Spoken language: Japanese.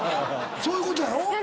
そういうことやろ？